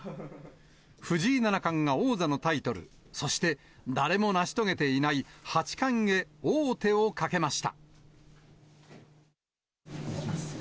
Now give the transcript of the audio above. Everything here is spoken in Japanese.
藤井七冠が王座のタイトル、そして、誰も成し遂げていない八冠へ王手をかけました。